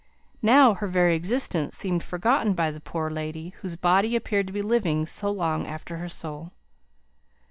Now her very existence seemed forgotten by the poor lady whose body appeared to be living so long after her soul.